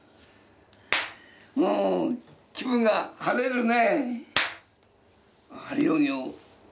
うん気分が晴れるね。